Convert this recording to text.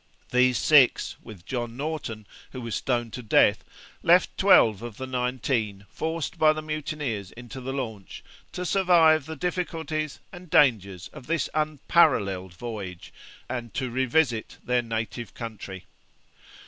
These six, with John Norton, who was stoned to death, left twelve of the nineteen, forced by the mutineers into the launch, to survive the difficulties and dangers of this unparalleled voyage, and to revisit their native country.